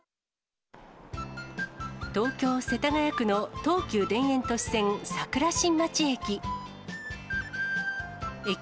東京・世田谷区の東急田園都市線桜新町駅。